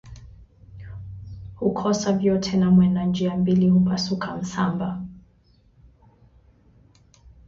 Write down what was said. hukosa vyote na mwenda njia mbili hupasuka msamba